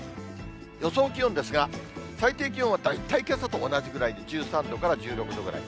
予想気温ですが、最低気温は大体けさと同じぐらいで１３度から１６度ぐらい。